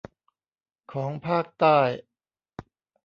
ของภาคใต้